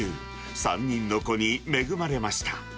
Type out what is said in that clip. ３人の子に恵まれました。